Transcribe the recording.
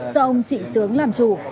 do ông trịnh sướng làm chủ